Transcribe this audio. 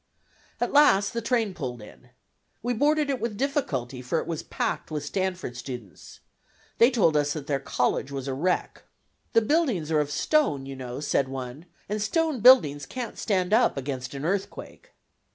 At last the train pulled in. We boarded it with difficulty, for it was packed with Stanford students. They told us that their college was a wreck. "The buildings are of stone, you know," said one, "and stone buildings can't stand up against, an earthquake."